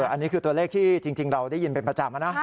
อันนี้คือตัวเลขที่จริงเราได้ยินเป็นประจำนะ